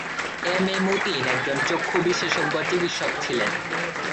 M A Matin একজন চক্ষু বিশেষজ্ঞ চিকিৎসক ছিলেন।